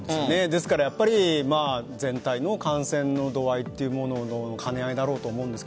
ですから全体の感染の度合いというものの兼ね合いだろうと思うんです。